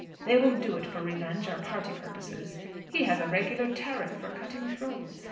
They will do it for revenge, or party purposes. He has a regular tariff for cutting throats.